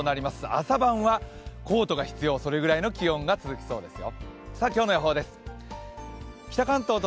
朝晩はコートが必要、それぐらいの気温が続きそうですよ。